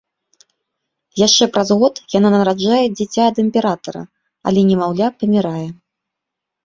Яшчэ праз год яна нараджае дзіця ад імператара, але немаўля памірае.